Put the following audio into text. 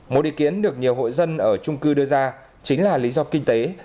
một ý kiến được nhiều hội dân ở trung cư đưa ra chính là lý do kinh tế